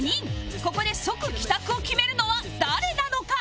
ここで即帰宅を決めるのは誰なのか？